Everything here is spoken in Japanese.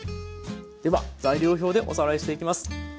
では材料表でおさらいしていきます。